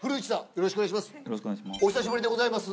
よろしくお願いします。